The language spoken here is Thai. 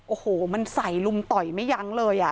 โอ้โหมันใส่ลุมต่อยไม่ยั้งเลย